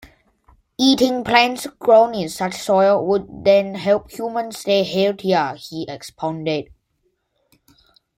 Eating plants grown in such soil would then help humans stay healthier, he expounded.